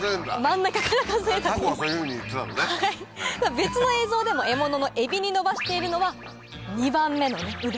別の映像でも獲物のエビに伸ばしているのは２番目の腕。